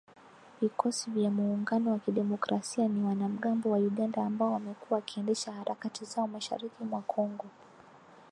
Vikosi vya Muungano wa Kidemokrasia ni wanamgambo wa Uganda ambao wamekuwa wakiendesha harakati zao mashariki mwa Kongo.